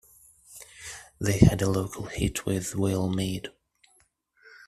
They had a local hit with "We'll Meet".